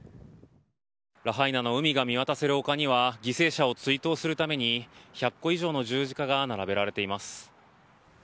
ラハイナの海が見渡せる丘には犠牲者を追悼するために１００個以上の十字架が並べられています。